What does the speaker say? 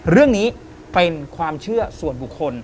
เรื่องนี้เป็นความเชื่อส่วนบุคคล